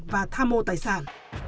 và tham mô tài sản